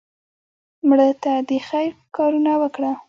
مړه ته د خیر کارونه وکړه